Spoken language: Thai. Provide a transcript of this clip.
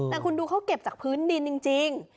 แต่คุณดูเขาเก็บจากพื้นดินจริง